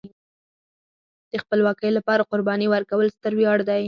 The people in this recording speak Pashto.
د خپلواکۍ لپاره قرباني ورکول ستر ویاړ دی.